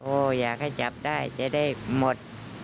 อยากให้จับได้จะได้หมด